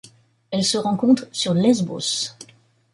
Elle se rencontre sur Lesbos.